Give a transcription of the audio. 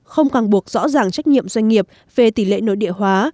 không càng buộc rõ ràng trách nhiệm doanh nghiệp về tỷ lệ nội địa hóa